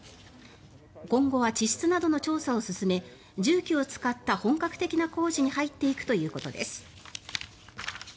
今後は地質などの調査を始め重機を使った本格的な工事に入っていくということです。